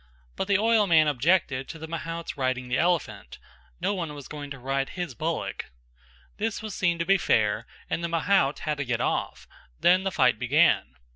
But the oilman objected to the mahout's riding the elephant; no one was going to ride his bullock. This was seen to be fair and the mahout had to get off; then the fight began.